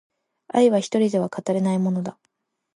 愛は一人では語れないものだ